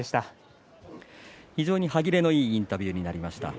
非常に歯切れのいいインタビューになりました。